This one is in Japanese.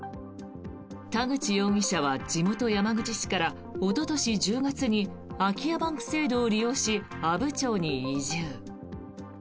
田口容疑者は地元・山口市からおととし１０月に空き家バンク制度を利用し阿武町に移住。